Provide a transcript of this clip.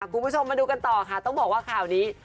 คุณผู้ชมมาดูกันต่อค่ะต้องบอกว่าข่าวนี้